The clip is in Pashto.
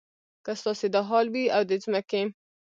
که ستاسې دا حال وي او د ځمکې.